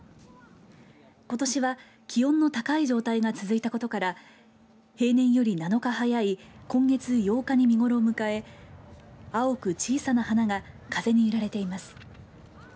ことしは気温の高い状態が続いたことから平年より７日早い今月８日に見頃を迎え青く小さな花が風に揺られています。